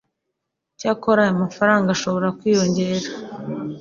Cyakora aya mafaranga ashobora kwiyongera